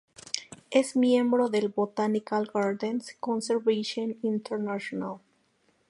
Es miembro del Botanical Gardens Conservation International.